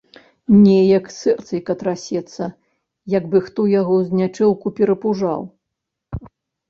Неяк сэрцайка трасецца, як бы хто яго знячэўку перапужаў.